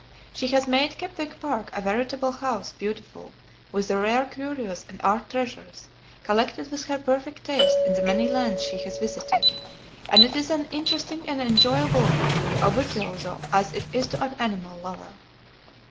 She has made Kepwick Park a veritable House Beautiful with the rare curios and art treasures collected with her perfect taste in the many lands she has visited, and it is as interesting and enjoyable to a virtuoso as it is to an animal lover.